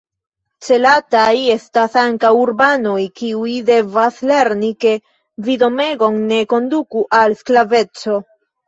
Celataj estas ankaŭ urbanoj, kiuj devas lerni, ke vidomegon ne konduku al sklaveco.